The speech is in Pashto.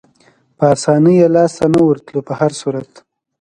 په اسانۍ یې لاسته نه ورتلو، په هر صورت.